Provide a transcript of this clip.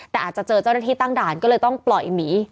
แต่อาจจะเจอเจ้าหน้าที่ตั้งด่านก็เลยต้องปล่อยหมี